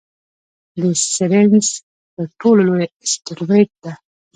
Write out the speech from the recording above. د سیریز تر ټولو لویه اسټرويډ ده.